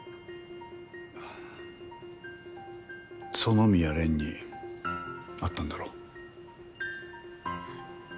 園宮蓮に会ったんだろ？え？